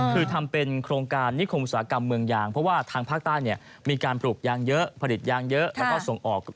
คือทำเป็นโครงการนิคมอุตสาหกรรมเมืองยางเพราะว่าทางภาคใต้เนี่ยมีการปลูกยางเยอะผลิตยางเยอะแล้วก็ส่งออก